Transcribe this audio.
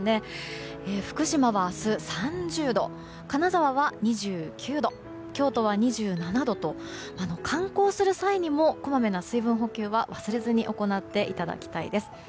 福島は明日３０度金沢は２９度京都は２７度と観光する際にもこまめな水分補給は忘れずに行っていただきたいです。